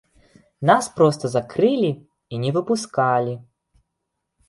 Нас проста закрылі і не выпускалі.